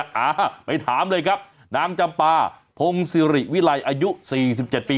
อ่าไปถามเลยครับนางจำปาพงศิริวิลัยอายุสี่สิบเจ็ดปี